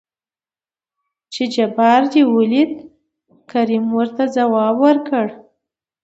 چې جبار دې ولېد؟ کريم ورته ځواب ورکړ.